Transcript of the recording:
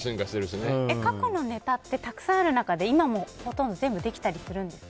過去のネタって今もほとんど全部できたりするんですか？